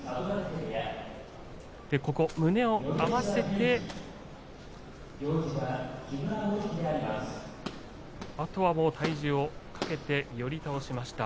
胸を合わせてあとは体重をかけて寄り倒しました。